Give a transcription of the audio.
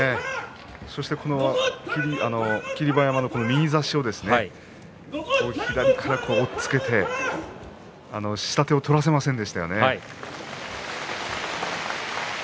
そして霧馬山の右差しを左から押っつけて下手を取らせませんでしたよね。